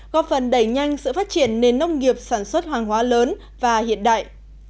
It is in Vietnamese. góp phần đẩy nhanh sự phát triển nền nông nghiệp sản xuất hoàng hóa lớn và hiện đại